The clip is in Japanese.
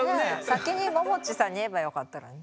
先にももちさんに言えばよかったのにね。